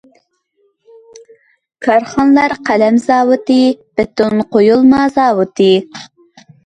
كارخانىلار قەلەم زاۋۇتى، بېتون قۇيۇلما زاۋۇتى.